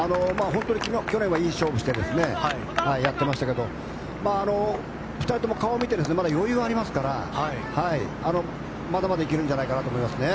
本当に去年はいい勝負をしてやっていましたけど２人とも顔を見ているとまだ余裕がありますからまだまだ行けるんじゃないかなと思いますね。